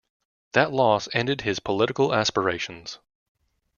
That loss ended his political aspirations.